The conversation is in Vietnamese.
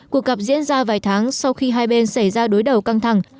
cuộc gặp diễn ra vài tháng sau khi hai bên xảy ra đối đầu căng thẳng